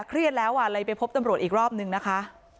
เครียดแล้วเลยไปพบตำรวจอีกรอบนึงนะคะ